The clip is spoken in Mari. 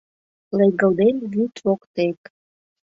Легылден вÿд воктек